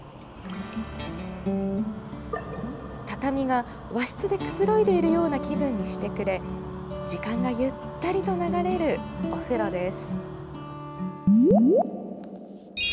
畳が和室でくつろいでいるような気分にしてくれ時間がゆったりと流れるお風呂です。